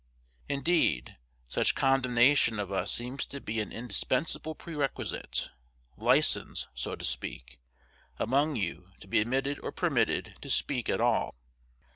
Indeed, such condemnation of us seems to be an indispensable prerequisite license, so to speak among you to be admitted or permitted to speak at all.